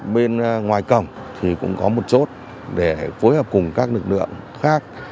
bên ngoài cổng thì cũng có một chốt để phối hợp cùng các lực lượng khác